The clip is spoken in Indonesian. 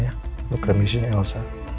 untuk remisinya elsa